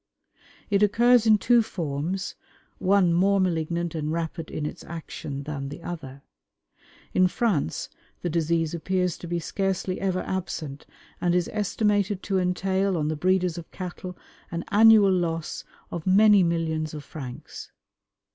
It occurs in two forms, one more malignant and rapid in its action than the other. In France the disease appears to be scarcely ever absent, and is estimated to entail on the breeders of cattle an annual loss of many millions of francs.